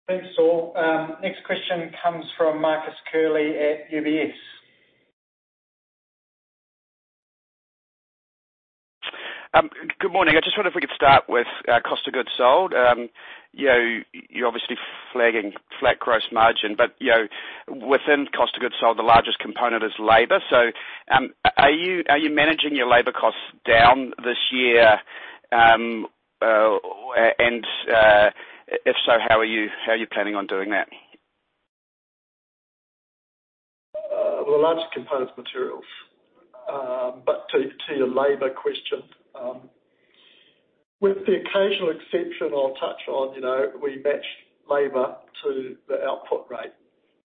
Thanks, Saul. Next question comes from Marcus Curley at UBS. Good morning. I just wonder if we could start with cost of goods sold. You know, you're obviously flagging flat gross margin, but you know, within cost of goods sold, the largest component is labor. Are you managing your labor costs down this year? If so, how are you planning on doing that? The largest component's materials. To your labor question, with the occasional exception I'll touch on, you know, we match labor to the output rate.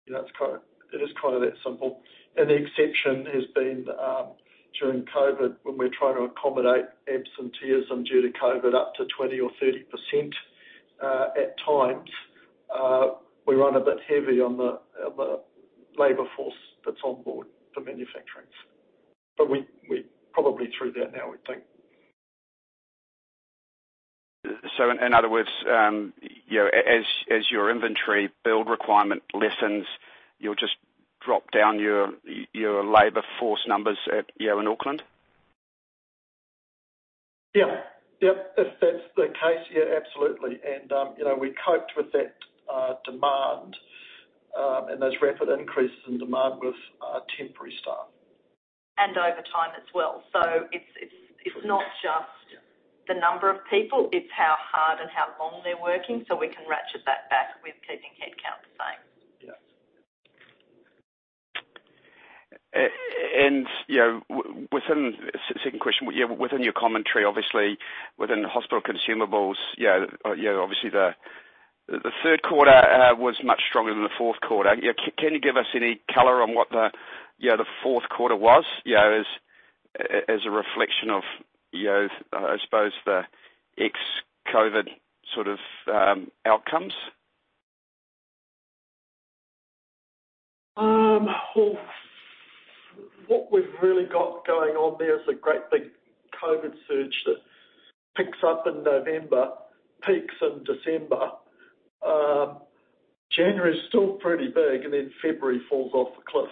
You know, it's kind of, it is kind of that simple. The exception has been, during COVID, when we're trying to accommodate absenteeism due to COVID up to 20 or 30 percent, at times, we run a bit heavy on the labor force that's on board for manufacturing. We're probably through that now, we think. In other words, you know, as your inventory build requirement lessens, you'll just drop down your labor force numbers at, you know, in Auckland? Yeah. Yep, if that's the case, yeah, absolutely. You know, we coped with that demand and those rapid increases in demand with temporary staff. Over time as well. It's not just the number of people, it's how hard and how long they're working, so we can ratchet that back with keeping headcount the same. Yeah. You know, within your second question, you know, within your commentary, obviously within hospital consumables, you know, obviously the third quarter was much stronger than the fourth quarter. You know, can you give us any color on what the fourth quarter was, you know, as a reflection of, you know, I suppose the ex-COVID sort of outcomes? Well, what we've really got going on there is a great big COVID surge that picks up in November, peaks in December. January is still pretty big, and then February falls off a cliff,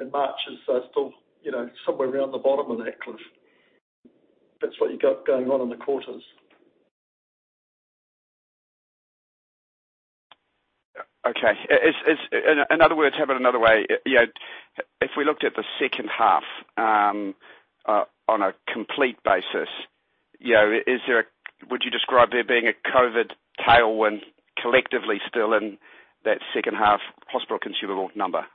and March is still, you know, somewhere around the bottom of that cliff. That's what you got going on in the quarters. Okay. In other words, you know, if we looked at the second half, on a complete basis, you know, would you describe there being a COVID tailwind collectively still in that second half hospital consumable number? Oh,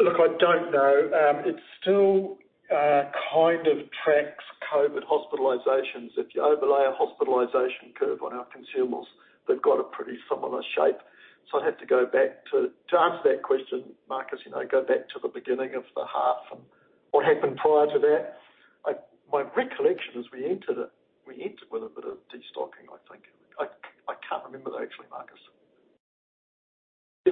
look, I don't know. It still kind of tracks COVID hospitalizations. If you overlay a hospitalization curve on our consumables, they've got a pretty similar shape. I have to go back to answer that question, Marcus, you know, go back to the beginning of the half and what happened prior to that. My recollection is we entered it with a bit of de-stocking, I think. I can't remember though, actually, Marcus.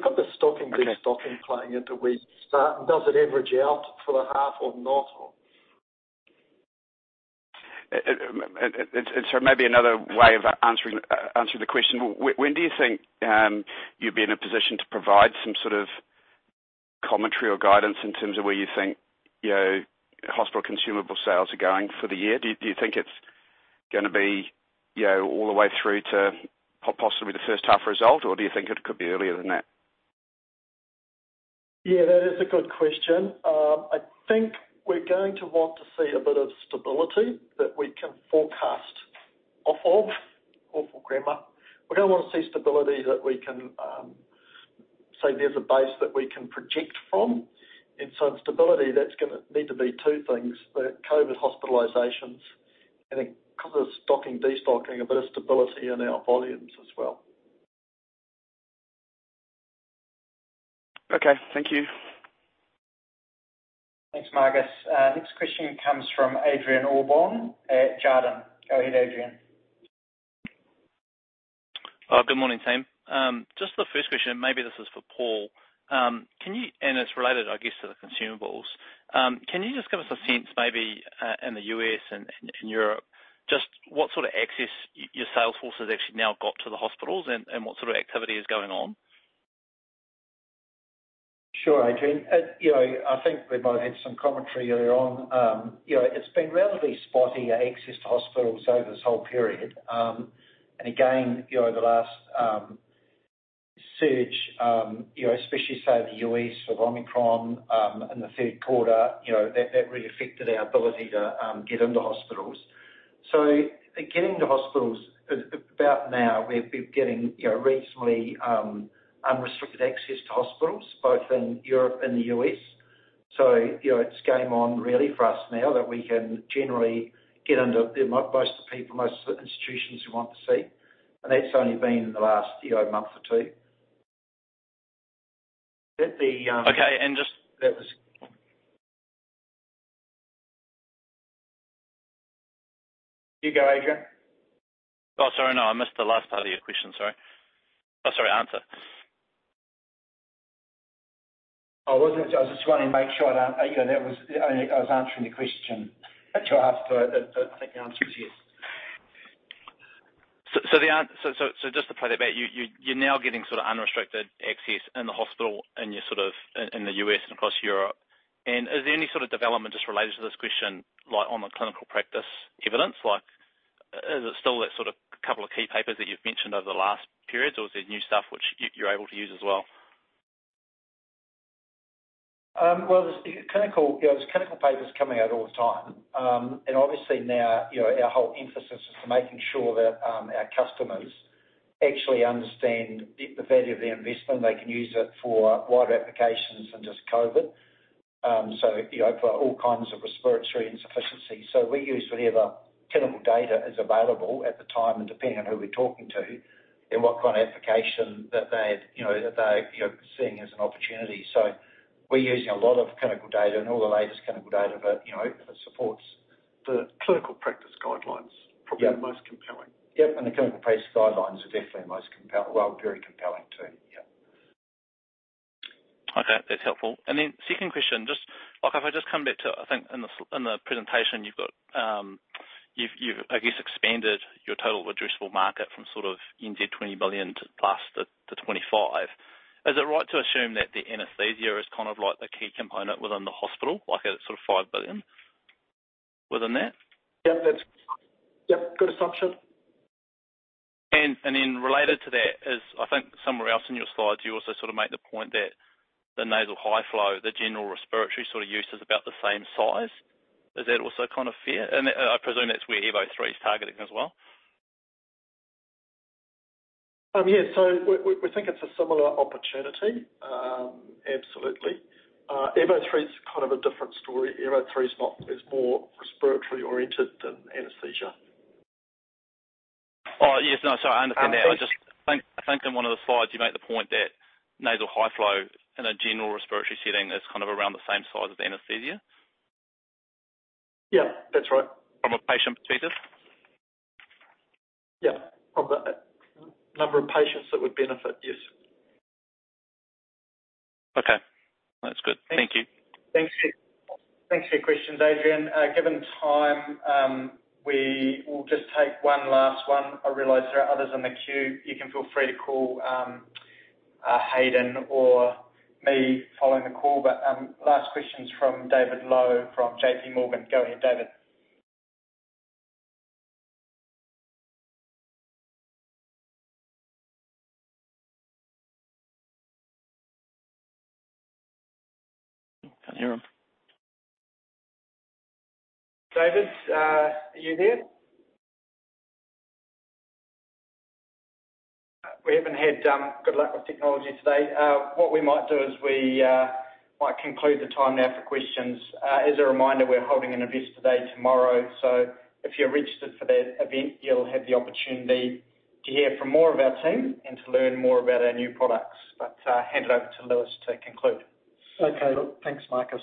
You've got the stocking, de-stocking playing into we start. Does it average out for the half or not? Maybe another way of answering the question, when do you think you'd be in a position to provide some sort of commentary or guidance in terms of where you think, you know, hospital consumable sales are going for the year? Do you think it's gonna be, you know, all the way through to possibly the first half result? Or do you think it could be earlier than that? Yeah, that is a good question. I think we're going to want to see a bit of stability that we can forecast off of. Awful grammar. We're gonna wanna see stability that we can say there's a base that we can project from. Stability, that's gonna need to be two things. The COVID hospitalizations and because of stocking, de-stocking, a bit of stability in our volumes as well. Okay. Thank you. Thanks, Marcus. Next question comes from Adrian Allbon at Jarden. Go ahead, Adrian. Good morning, team. Just the first question, maybe this is for Paul. It's related, I guess, to the consumables. Can you just give us a sense maybe, in the U.S. and Europe, just what sort of access your sales force has actually now got to the hospitals and what sort of activity is going on? Sure, Adrian. You know, I think we might have had some commentary earlier on. You know, it's been relatively spotty access to hospitals over this whole period. Again, you know, the last surge, you know, especially, say, the US with Omicron in the third quarter, you know, that really affected our ability to get into hospitals. Getting to hospitals about now, we're getting you know, reasonably unrestricted access to hospitals both in Europe and the US. You know, it's game on really for us now that we can generally get to most of the people, most of the institutions we want to see. That's only been in the last you know, month or two. Okay. You go, Adrian. Oh, sorry. No, I missed the last part of your question. Sorry. Oh, sorry, answer. I was just wanting to make sure I don't. You know, that was the only. I was answering the question that you asked. I think the answer is yes. Just to play that back, you're now getting sort of unrestricted access in the hospital and you're sort of in the US and across Europe. Is there any sort of development just related to this question, like on the clinical practice evidence? Is it still that sort of couple of key papers that you've mentioned over the last periods or is there new stuff which you're able to use as well? Well, there's clinical papers coming out all the time. Obviously now, you know, our whole emphasis is to making sure that our customers actually understand the value of their investment. They can use it for wider applications than just COVID. You know, for all kinds of respiratory insufficiency. We use whatever clinical data is available at the time, and depending on who we're talking to and what kind of application that they, you know, seeing as an opportunity. We're using a lot of clinical data and all the latest clinical data, but, you know, if it supports. The clinical practice guidelines. Yeah. Probably the most compelling. Yep. The clinical practice guidelines are definitely most compelling. Well, very compelling, too. Yeah. Okay. That's helpful. Second question, just like if I just come back to, I think in the presentation you've got, you've expanded your total addressable market from sort of 20 billion to plus to 25. Is it right to assume that the anesthesia is kind of like the key component within the hospital, like a sort of 5 billion within that? Yep, good assumption. Related to that is, I think somewhere else in your slides, you also sort of make the point that the nasal high flow, the general respiratory sort of use is about the same size. Is that also kind of fair? I presume that's where Airvo 3 is targeting as well. We think it's a similar opportunity. Absolutely. Airvo 3's kind of a different story. Airvo 3's not, it's more respiratory oriented than anesthesia. Oh, yes. No, I understand that. Um, so- I think in one of the slides you make the point that nasal high flow in a general respiratory setting is kind of around the same size as anesthesia. Yeah. That's right. From a patient basis? Yeah. Of the number of patients that would benefit. Yes. Okay. That's good. Thank you. Thanks. Thanks for your questions, Adrian. Given time, we will just take one last one. I realize there are others on the queue. You can feel free to call, Hayden or me following the call. Last question's from David Lowe from J.P. Morgan. Go ahead, David. Can't hear him. David, are you there? We haven't had good luck with technology today. What we might do is conclude the time now for questions. As a reminder, we're holding an Investor Day tomorrow, so if you're registered for that event, you'll have the opportunity to hear from more of our team and to learn more about our new products. Hand it over to Lewis to conclude. Okay. Thanks, Marcus.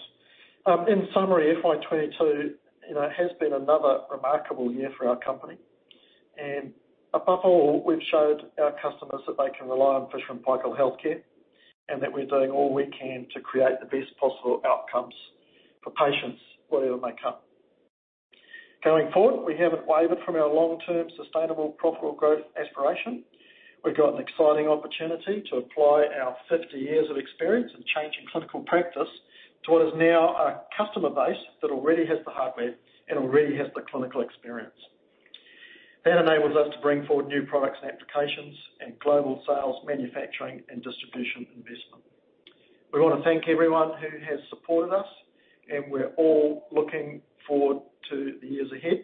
In summary, FY 2022, you know, has been another remarkable year for our company. Above all, we've showed our customers that they can rely on Fisher & Paykel Healthcare, and that we're doing all we can to create the best possible outcomes for patients, whatever may come. Going forward, we haven't wavered from our long-term sustainable profitable growth aspiration. We've got an exciting opportunity to apply our 50 years of experience in changing clinical practice to what is now our customer base that already has the hardware and already has the clinical experience. That enables us to bring forward new products and applications and global sales, manufacturing and distribution investment. We wanna thank everyone who has supported us, and we're all looking forward to the years ahead.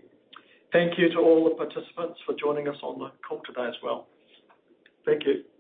Thank you to all the participants for joining us on the call today as well. Thank you.